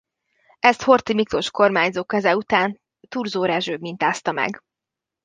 Ezt Horthy Miklós kormányzó keze után Thurzó Rezső mintázta meg.